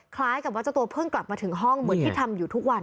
คล้ายกับว่าเจ้าตัวเพิ่งกลับมาถึงห้องเหมือนที่ทำอยู่ทุกวัน